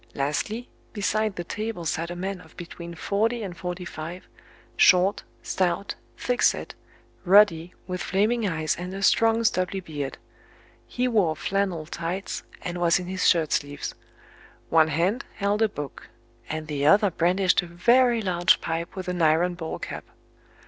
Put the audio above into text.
Lastly, beside the table sat a man of between forty and forty five, short, stout, thick set, ruddy, with flaming eyes and a strong stubbly beard; he wore flannel tights, and was in his shirt sleeves; one hand held a book, and the other brandished a very large pipe with an iron bowl cap.